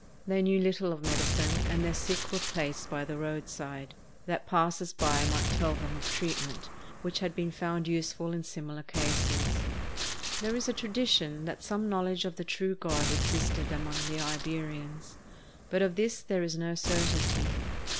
They knew little of medicine, and their sick were placed by the roadside, that passers by might tell them of treatment which had been found useful in similar cases. There is a tradition that some knowledge of the true God existed among the Iberians; but of this there is no certainty.